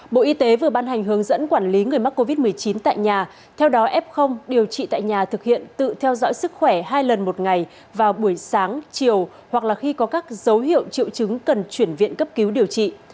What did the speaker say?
bộ y tế vừa ban hành hướng dẫn quản lý người mắc covid một mươi chín tại nhà theo đó f điều trị tại nhà thực hiện tự theo dõi sức khỏe hai lần một ngày vào buổi sáng chiều hoặc là khi có các dấu hiệu triệu chứng cần chuyển viện cấp cứu điều trị